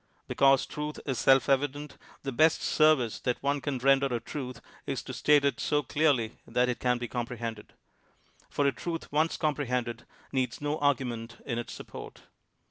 Because truth is self evident, the best service that one can render a truth is to state it so clearly that it can be comprehended ; for a truth once comprehended needs no argument in its support.